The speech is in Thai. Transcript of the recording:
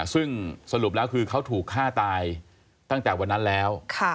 ซึ่งสรุปแล้วคือเขาถูกฆ่าตายตั้งแต่วันนั้นแล้ว